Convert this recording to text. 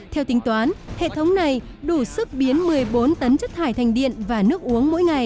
theo tính toán hệ thống này đủ sức biến một mươi bốn tấn chất thải thành điện và nước uống mỗi ngày